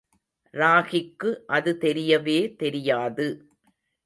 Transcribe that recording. ராகிக்கு அது தெரியவே தெரியாது.